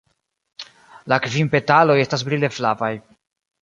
La kvin petaloj estas brile flavaj.